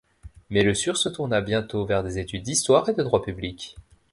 Mais Lesur se tourna bientôt vers des études d'histoire et de droit public.